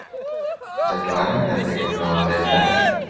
دەتوانن ھەندێکم لەوە پێ بدەن؟